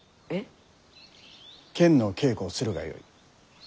剣の稽古をするがよい。